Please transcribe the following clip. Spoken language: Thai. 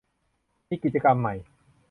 มีกิจกรรมใหม่